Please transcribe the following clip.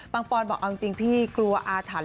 ปอนบอกเอาจริงพี่กลัวอาถรรพ์